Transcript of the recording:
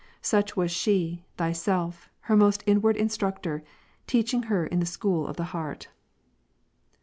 Such was she. Thyself, her most inward Instructor, teaching her in the school of the heart.